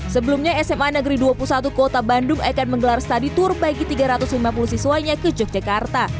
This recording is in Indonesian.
sebelumnya sma negeri dua puluh satu kota bandung akan menggelar study tour bagi tiga ratus lima puluh siswanya ke yogyakarta